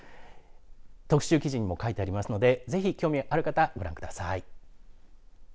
特集記事にも書いてありますのでぜひ興味ある方ご覧ください。